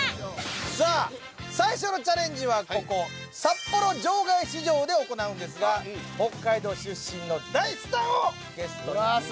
さあ最初のチャレンジはここ札幌場外市場で行うんですが北海道出身の大スターをゲストにお迎えしております。